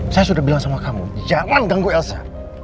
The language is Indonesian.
saya sudah bilang sama kamu jangan ganggu elsa